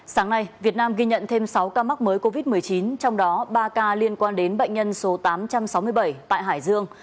sáng nay việt nam ghi nhận thêm sáu ca mắc mới covid một mươi chín trong đó ba ca liên quan đến bệnh nhân số tám trăm sáu mươi bảy tại hải dương